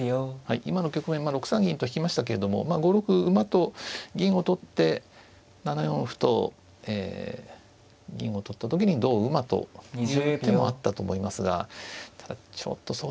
今の局面６三銀と引きましたけれども５六馬と銀を取って７四歩と銀を取った時に同馬とする手もあったと思いますがただちょっとそうですね